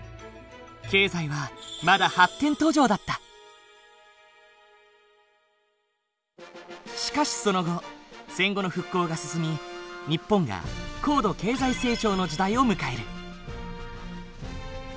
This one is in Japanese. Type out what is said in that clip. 経済はまだしかしその後戦後の復興が進み日本が高度経済成長の時代を迎える。